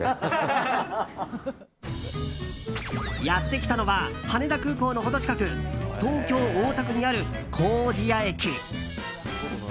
やってきたのは羽田空港の程近く東京・大田区にある糀谷駅。